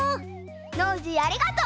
ノージーありがとう！